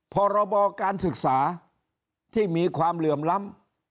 พรบการศึกษาที่มีความเหลื่อมล้ำ